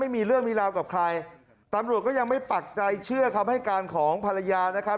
ไม่มีเรื่องมีราวกับใครตำรวจก็ยังไม่ปักใจเชื่อคำให้การของภรรยานะครับ